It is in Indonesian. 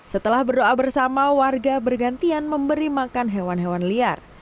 setelah berdoa bersama warga bergantian memberi makan hewan hewan liar